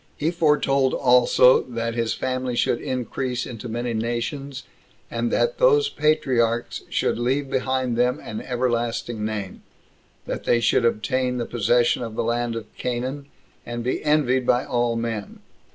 He foretold also, that his family should increase into many nations 29 and that those patriarchs should leave behind them an everlasting name; that they should obtain the possession of the land of Canaan, and be envied by all men.